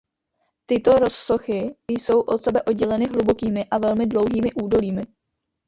Tyto rozsochy jsou od sebe odděleny hlubokými a velmi dlouhými údolími.